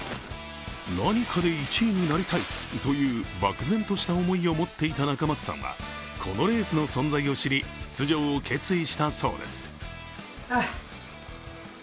何かで１位になりたいという漠然とした思いを持っていた中松さんはこのレースの存在を知り出場を決意したそうです。